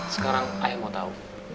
sekarang ayah mau tau